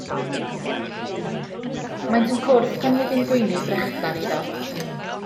Maent yn cwrdd pan fydd hi'n gweini brechdan iddo.